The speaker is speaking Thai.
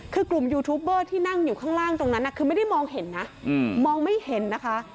คือกลุ่มยูทูปเบอร์ที่นั่งอยู่ข้างล่างตรงนั้นคือไม่ได้มองเห็นนะมองไม่เห็นนะคะ